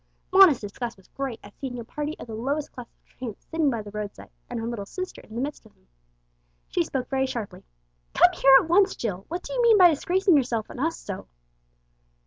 Mona's disgust was great at seeing a party of the lowest class of tramps sitting by the roadside, and her little sister in the midst of them. She spoke very sharply "Come here at once, Jill! What do you mean by disgracing yourself and us so?"